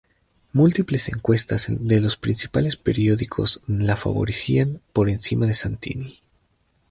Múltiples encuestas de los principales periódicos la favorecían por encima de Santini.